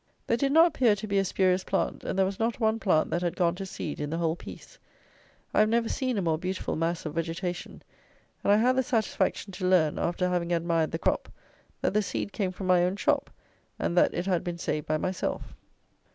There did not appear to be a spurious plant, and there was not one plant that had gone to seed, in the whole piece. I have never seen a more beautiful mass of vegetation, and I had the satisfaction to learn, after having admired the crop, that the seed came from my own shop, and that it had been saved by myself.